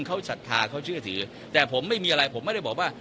เขาศรัทธาเขาเชื่อถือแต่ผมไม่มีอะไรผมไม่ได้บอกว่า